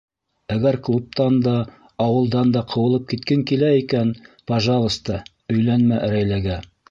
Әгәр клубтан да, ауылдан да ҡыуылып киткең килә икән, пожалыста, өйләнмә Рәйләгә.